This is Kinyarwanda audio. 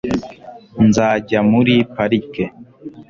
nzajya muri parike